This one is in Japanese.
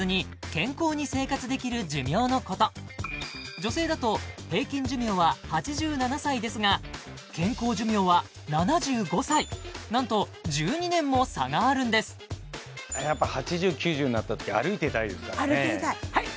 女性だと平均寿命は８７歳ですが健康寿命は７５歳何と１２年も差があるんですやっぱ８０９０になった時歩いてたいですからね歩いていたいはい！